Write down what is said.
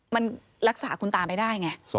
มันรักษาคุณตาไม่ได้ไง